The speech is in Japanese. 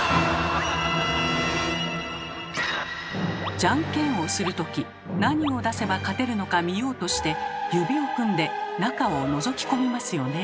じゃんけんをする時何を出せば勝てるのか見ようとして指を組んで中をのぞき込みますよねえ。